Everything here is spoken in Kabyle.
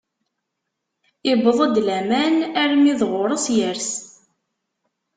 Iwweḍ-d laman armi d ɣuṛ-s, yers.